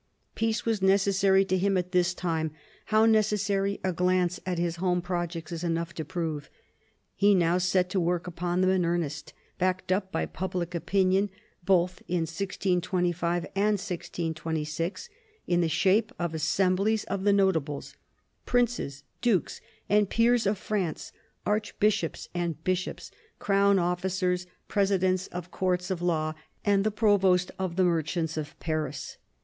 Peace was necessary to him at this time : how necessary, a glance at his home projects is enough to prove. He now set to work upon them in earnest; backed up by public opinion, both in 1625 and 1626, in the shape of assemblies of the Notables — princes, dukes, and peers of France, archbishops and bishops crown officers, presidents of courts of law, and the provost of the merchants of Paris.